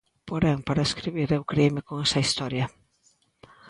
Porén, para escribir, eu crieime con esa historia.